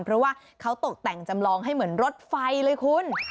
เพราะว่าเขาตกแต่งจำลองให้เหมือนรถไฟเลยคุณ